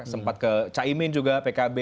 sempat ke caimin juga pkb